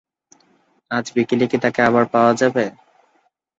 আজ বিকেলে কি তাকে আবার পাওয়া যাবে?